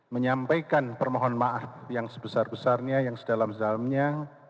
menyampaikan permohon maaf yang sebesar besarnya yang sedalam dalamnya